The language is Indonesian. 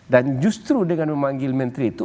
dan justru dengan memanggil menteri itu